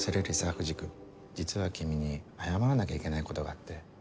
藤君実は君に謝らなきゃいけないことがあって。